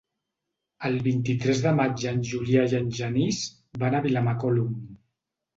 El vint-i-tres de maig en Julià i en Genís van a Vilamacolum.